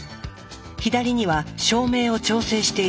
左には照明を調整している人。